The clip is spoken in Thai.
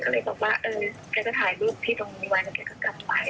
ก็เลยบอกว่าเออแกก็ถ่ายรูปที่ตรงนี้ไว้แล้วแกก็กลับไป